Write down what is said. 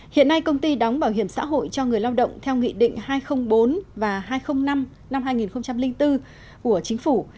hiện nay công ty đóng bảo hiểm xã hội cho người lao động theo nghị định hai nghìn bốn và hai nghìn năm năm hai nghìn bốn của chính phủ